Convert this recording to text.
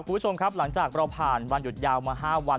คุณผู้ชมครับหลังจากเราผ่านวันหยุดยาวมา๕วัน